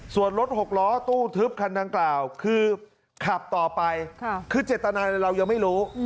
ส่วนรถหกล้อตู้ทึบคันดังกล่าวคือขับต่อไปคือเจตนาเรายังไม่รู้